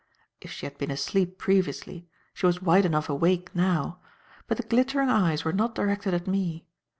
If she had been asleep previously, she was wide enough awake now; but the glittering eyes were not directed at me.